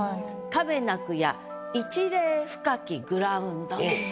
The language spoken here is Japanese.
「亀鳴くや一礼深きグラウンド」。